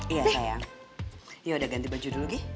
iya sayang yaudah ganti baju dulu gi